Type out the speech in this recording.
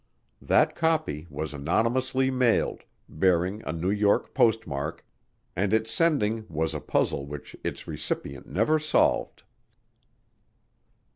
That copy was anonymously mailed, bearing a New York postmark, and its sending was a puzzle which its recipient never solved.